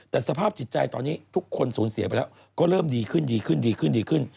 แต่สภาพจิตใจตอนนี้ทุกคนสูญเสียไปแล้วก็เริ่มดีขึ้น